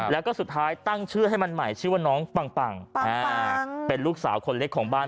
แล้วก็สุดท้ายตั้งชื่อให้มันใหม่ชื่อว่าน้องปังเป็นลูกสาวคนเล็กของบ้าน